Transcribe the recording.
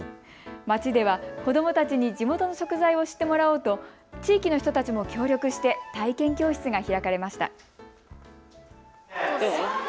町では子どもたちに地元の食材を知ってもらおうと地域の人たちも協力して体験教室が開かれました。